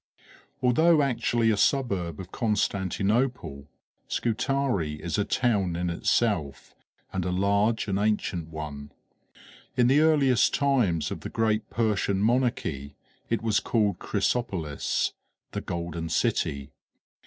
Although actually a suburb of Constantinople, Scutari is a town in itself, and a large and ancient one. In the earliest times of the great Persian monarchy, it was called Chrysopolis, the Golden City.